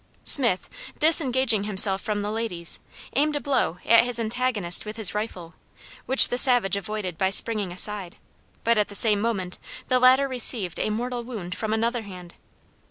Smith, disengaging himself from the ladies, aimed a blow at his antagonist with his rifle, which the savage avoided by springing aside, but at the same moment the latter received a mortal wound from another hand.